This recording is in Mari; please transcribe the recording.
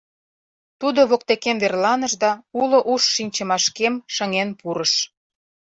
Тудо воктекем верланыш да уло уш-шинчымашкем шыҥен пурыш.